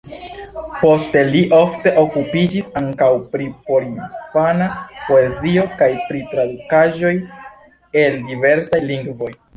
Poste li ofte okupiĝis ankaŭ pri porinfana poezio kaj pri tradukaĵoj el diversaj lingvoj.